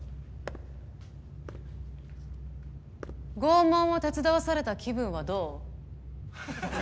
拷問を手伝わされた気分はどう？